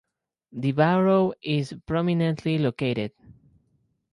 The barrow is prominently located.